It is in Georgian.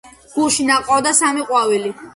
გუშინ აყვავდა სამი ყვავილი.